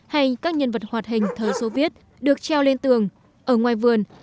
hay các nhân vật hoạt hình thờ soviet được treo lên tường ở ngoài vườn